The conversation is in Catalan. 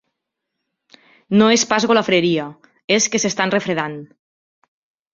No és pas golafreria, és que s'estan refredant.